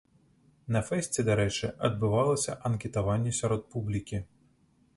На фэсце, дарэчы, адбывалася анкетаванне сярод публікі.